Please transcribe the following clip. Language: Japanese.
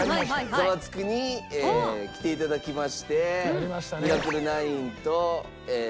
『ザワつく！』に来て頂きましてミラクル９とＱさま！！